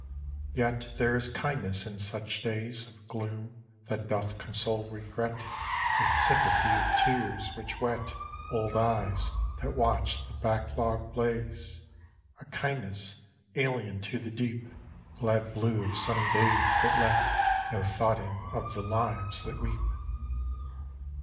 Yet there is kindness in such days Of gloom, that doth console regret With sympathy of tears, which wet Old eyes that watch the back log blaze A kindness, alien to the deep Glad blue of sunny days that let No thought in of the lives that weep.